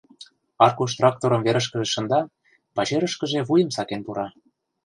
Аркуш тракторым верышкыже шында, пачерышкыже вуйым сакен пура.